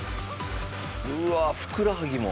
うわあふくらはぎも。